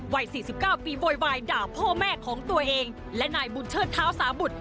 วัย๔๙ปีโวยวายด่าพ่อแม่ของตัวเองและนายบุญเชิดเท้าสาบุตร